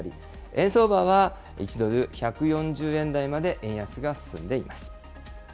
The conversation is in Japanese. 円相場は１ドル１４０円台まで円安が進んでいます。